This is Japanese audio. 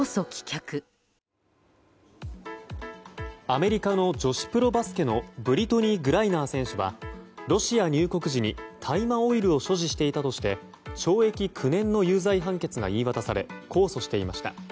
アメリカの女子プロバスケのブリトニー・グライナー選手はロシア入国時に大麻オイルを所持していたとして懲役９年の有罪判決が言い渡され控訴していました。